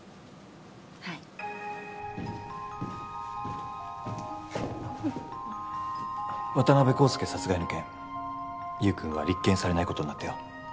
はいおっ渡辺康介殺害の件優君は立件されないことになったよ